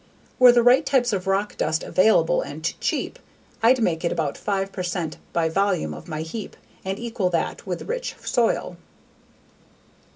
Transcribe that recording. Were the right types of rock dust available and cheap, I'd make it about 5 percent by volume of my heap, and equal that with rich soil.